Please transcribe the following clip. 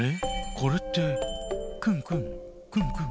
これってくんくんくんくん。